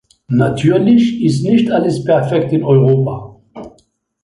Natürlich ist nicht alles perfekt in Europa.